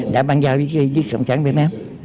đã ban giao với cộng sản việt nam